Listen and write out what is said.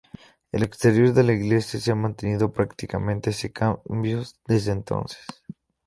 El exterior de la iglesia se ha mantenido prácticamente sin cambios desde entonces.